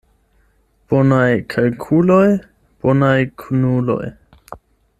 Bonaj kalkuloj, bonaj kunuloj.